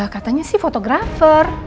katanya sih fotografer